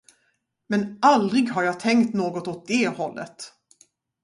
Men aldrig har jag tänkt något åt det hållet.